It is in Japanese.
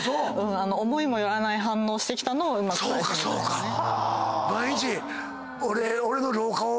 思いも寄らない反応してきたのをうまく返すみたいなね。